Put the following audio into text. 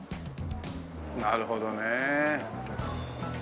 なるほどねえ。